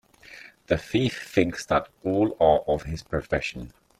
The thief thinks that all are of his profession.